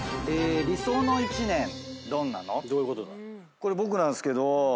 これ僕なんすけど。